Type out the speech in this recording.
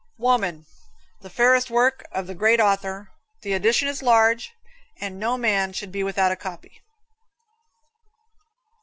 Woman. The fairest work of the great Author; the edition is large, and no man should be without a copy.